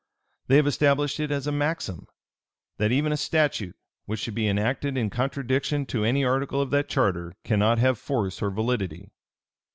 They have established it as a maxim "That even a statute which should be enacted in contradiction to any article of that charter, cannot have force or validity."